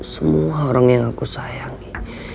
semua orang yang aku sayangi